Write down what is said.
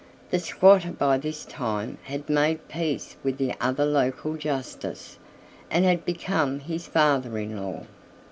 The squatter by this time had made peace with the other local Justice, and had become his father in law.